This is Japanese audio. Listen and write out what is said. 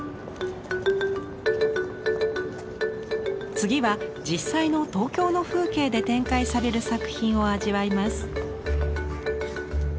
次は実際の東京の風景で展開される作品を味わいます。